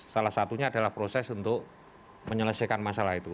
salah satunya adalah proses untuk menyelesaikan masalah itu